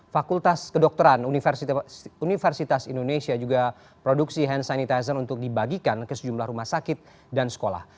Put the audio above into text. fakultas kedokteran universitas indonesia juga produksi hand sanitizer untuk dibagikan ke sejumlah rumah sakit dan sekolah